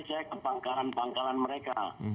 saya ke pangkalan pangkalan mereka